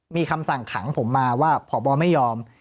มีคำสั่งขังผมมาว่าพบไม่ยอม